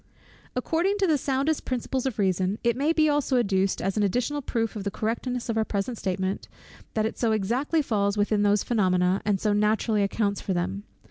According to the soundest principles of reasoning, it may be also adduced as an additional proof of the correctness of our present statement, that it so exactly falls in with those phænomena, and so naturally accounts for them.